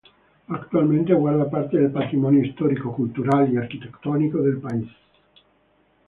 Actualmente guarda parte del patrimonio histórico, cultural y arquitectónico del país.